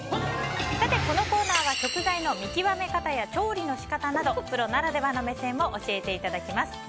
このコーナーは食材の見極め方や調理の仕方などプロならではの目線を教えていただきます。